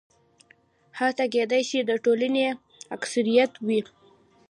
حتی کېدای شي د ټولنې اکثریت وي.